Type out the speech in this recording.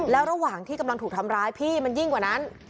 แล้วระหว่างที่กำลังถูกทำร้ายพี่มันยิ่งกว่านั้น